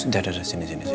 sudah sudah sini sini